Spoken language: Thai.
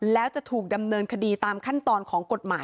แล้วจะถูกดำเนินคดีตามขั้นตอนของกฎหมาย